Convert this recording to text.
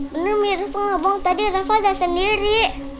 bener mi rafa gak bohong tadi rafa udah sendiri